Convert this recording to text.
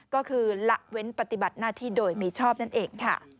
ก็คือละเว้นปฏิบัติหน้าที่โดยมีชอบนั่นเองค่ะ